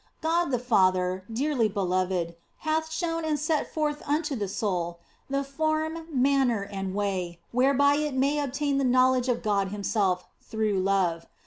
God the Father, dearly beloved, hath shown and set forth unto the soul the form, manner, and way, whereby it may obtain the knowledge of God Himself through love.